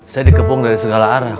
saya dikepung dari segala arah